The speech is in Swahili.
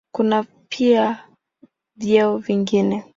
Kuna pia vyeo vingine.